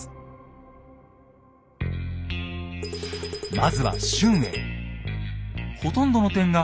まずは春英。